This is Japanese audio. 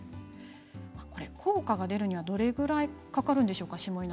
これ、効果が出るにはどれぐらいかかるんでしょうか。